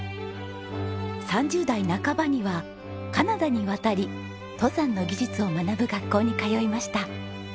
３０代半ばにはカナダに渡り登山の技術を学ぶ学校に通いました。